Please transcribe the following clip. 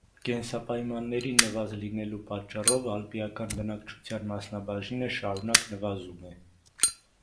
Կենսապայմանների նվազ լինելու պատճառով ալպիական բնակչության մասնաբաժինը շարունակ նվազում է։